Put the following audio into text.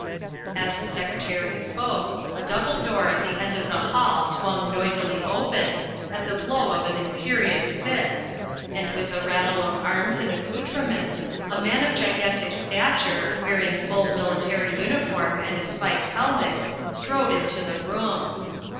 As the secretary spoke, a double door at the end of the hall swung noisily open, at the blow of an imperious fist, and with a rattle of arms and accoutrements a man of gigantic stature, wearing full military uniform and a spiked helmet, strode into the room.